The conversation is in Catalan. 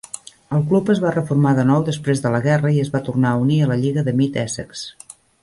El club es va reformar de nou després de la guerra i es va tornar a unir a la Lliga de Mid-Essex.